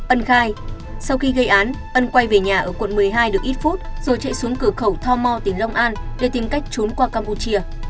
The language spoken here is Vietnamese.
ân khai sau khi gây án ân quay về nhà ở quận một mươi hai được ít phút rồi chạy xuống cửa khẩu tho mo tỉnh long an để tìm cách trốn qua campuchia